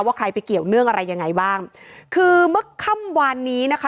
ใครไปเกี่ยวเนื่องอะไรยังไงบ้างคือเมื่อค่ำวานนี้นะคะ